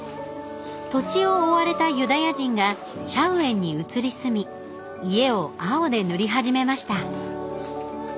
土地を追われたユダヤ人がシャウエンに移り住み家を青で塗り始めました。